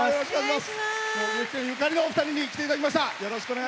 ゆかりのお二人に来ていただきました。